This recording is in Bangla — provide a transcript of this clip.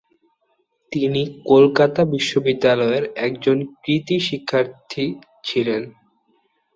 তিনি কলকাতা বিশ্ববিদ্যালয়ের একজন কৃতী ছাত্র ছিলেন।